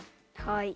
はい。